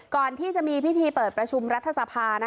ก่อนที่จะมีพิธีเปิดประชุมรัฐสภา